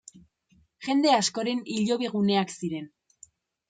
Jende askoren hilobi guneak ziren.